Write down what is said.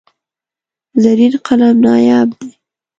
زرین قلم نایاب دی.